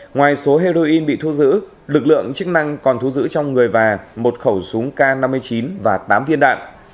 ngoài số heroin bị thu giữ lực lượng chức năng còn thu giữ trong người và một khẩu súng k năm mươi chín và tám viên đạn